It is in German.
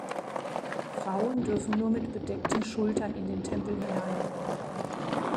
Frauen dürfen nur mit bedeckten Schultern in den Tempel hinein.